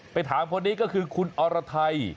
ถามคนนี้ก็คือคุณอรไทย